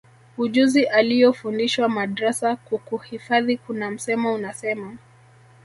ujuzi aliyofundishwa madrasa kukuhifadhi Kuna msemo unasema